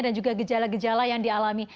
dan juga gejala gejala yang dialami